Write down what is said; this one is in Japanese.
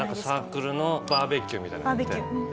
サークルのバーベキューみたいなの行って。